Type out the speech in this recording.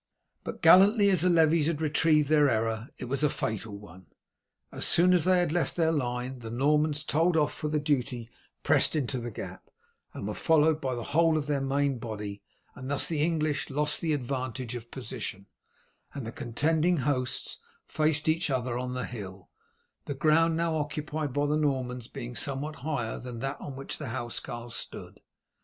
But gallantly as the levies had retrieved their error, it was a fatal one. As soon as they had left their line, the Normans told off for the duty pressed into the gap, and were followed by the whole of their main body, and thus the English lost the advantage of position, and the contending hosts faced each other on the hill, the ground now occupied by the Normans being somewhat higher than that on which the housecarls stood.